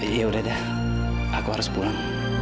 iya udah dah aku harus pulang